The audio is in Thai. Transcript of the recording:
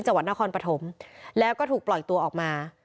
จังหวัดนครปฐมแล้วก็ถูกปล่อยตัวออกมา